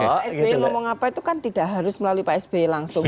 pak sby ngomong apa itu kan tidak harus melalui pak sby langsung